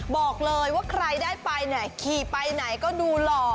บอกเลยว่าใครได้ไปเนี่ยขี่ไปไหนก็ดูหล่อ